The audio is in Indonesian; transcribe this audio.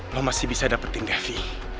kamu masih bisa mendapatkan devi